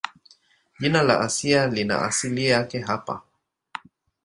Jina la Asia lina asili yake hapa.